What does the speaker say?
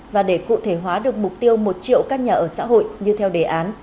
và để cụ thể hóa được mục tiêu một triệu căn nhà ở xã hội như theo đề án